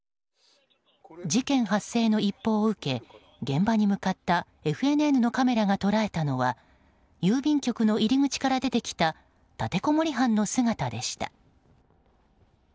事件発生の一報を受け現場に向かったＦＮＮのカメラが捉えたのは郵便局の入り口から出てきた立てこもり犯の姿でした。